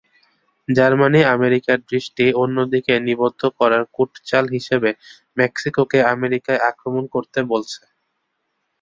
Germany আমেরিকার দৃষ্টি অন্যদিকে নিবদ্ধ করার কূটচাল হিসেবে মেক্সিকোকে আমেরিকায় আক্রমণ করতে বলছে।